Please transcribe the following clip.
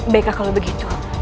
baiklah kalau begitu